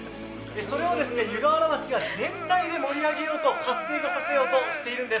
それを湯河原町が全体で盛り上げようと活性化させようとしているんです。